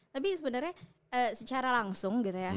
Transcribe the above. tapi sebenarnya secara langsung gitu ya